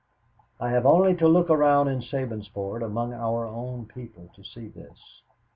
"I have only to look around in Sabinsport among our own people to see this.